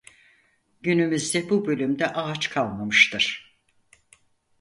Günümüzde bu bölümde ağaç kalmamıştır.